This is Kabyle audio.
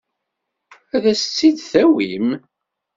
Ad as-tt-id-tawim?